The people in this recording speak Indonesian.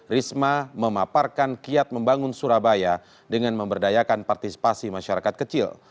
risma memaparkan kiat membangun surabaya dengan memberdayakan partisipasi masyarakat kecil